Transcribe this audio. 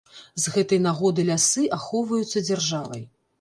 З гэтай нагоды лясы ахоўваюцца дзяржавай.